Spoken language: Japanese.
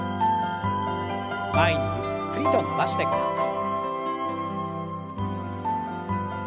前にゆっくりと伸ばしてください。